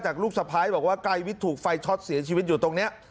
ลูกสะพ้ายบอกว่าไกรวิทย์ถูกไฟช็อตเสียชีวิตอยู่ตรงนี้